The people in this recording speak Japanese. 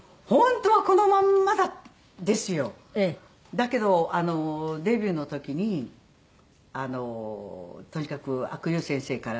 だけどデビューの時にとにかく阿久悠先生から。